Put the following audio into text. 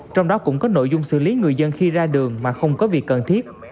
trong đó cũng có nội dung xử lý người dân khi ra đường mà không có việc cần thiết